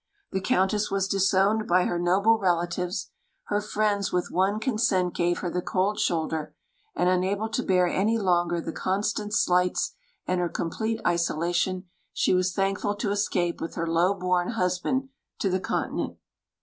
The Countess was disowned by her noble relatives; her friends with one consent gave her the cold shoulder; and, unable to bear any longer the constant slights and her complete isolation, she was thankful to escape with her low born husband to the Continent.